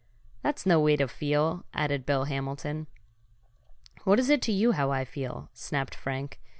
"That's no way to feel," added Bill Hamilton. "What is it to you how I feel?" snapped Frank.